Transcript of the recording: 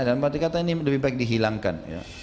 dan berarti kata ini lebih baik dihilangkan